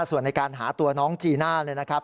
ส่วนในการหาตัวน้องจีน่าเลยนะครับ